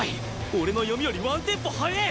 俺の読みよりワンテンポ速え！